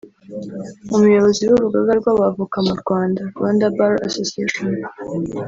umuyobozi w'urugaga rw'abavoka mu Rwanda (Rwanda Bar Association)